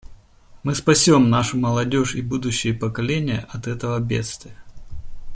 Мы спасем нашу молодежь и будущие поколения от этого бедствия.